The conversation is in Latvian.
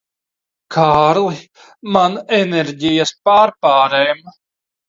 Kārli, man enerģijas pārpārēm.